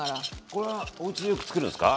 これはおうちでよくつくるんですか？